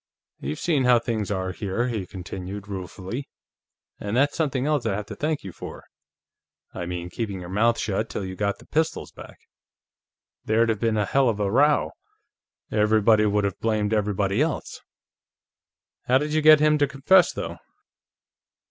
"You've seen how things are here," he continued ruefully. "And that's something else I have to thank you for; I mean, keeping your mouth shut till you got the pistols back. There'd have been a hell of a row; everybody would have blamed everybody else.... How did you get him to confess, though?"